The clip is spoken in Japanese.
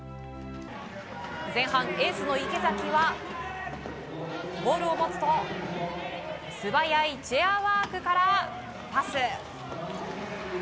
前半、エースの池崎はボールを持つと素早いチェアワークからパス。